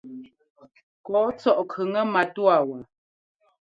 Kɔ́ɔ tsɔ́ʼ kʉŋɛ matúwa waa.